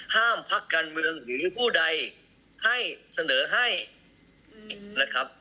พักการเมืองหรือผู้ใดให้เสนอให้นะครับ